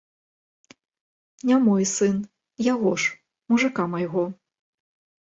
Не мой сын, яго ж, мужыка майго.